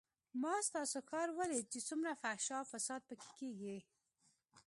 ما ستاسو ښار وليد چې څومره فحشا او فساد پکښې کېږي.